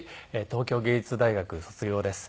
東京藝術大学卒業です。